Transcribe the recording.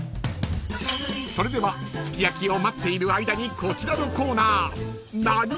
［それではすき焼を待っている間にこちらのコーナー］